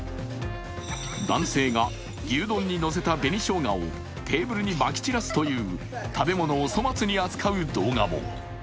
男性が牛丼にのせた紅しょうがをテーブルにまき散らすという食べ物を粗末に扱った動画も。